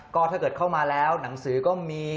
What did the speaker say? ก็ถ้าเกิดเข้ามาแล้วหนังสือก็มี